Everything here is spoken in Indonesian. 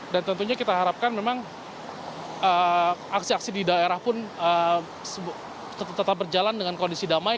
dan tentunya kita harapkan memang aksi aksi di daerah pun tetap berjalan dengan kondisi damai